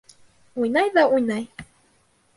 Уйнай ҙа уйнай.